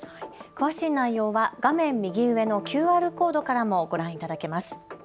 詳しい内容は画面右上のＱＲコードからもご覧いただけます。